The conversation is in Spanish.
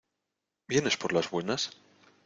¿ Vienes por las buenas?